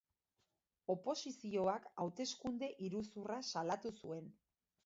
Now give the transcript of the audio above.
Oposizioak hauteskunde iruzurra salatu zuen.